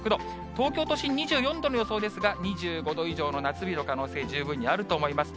東京都心２４度の予想ですが、２５度以上の夏日の可能性、十分にあると思います。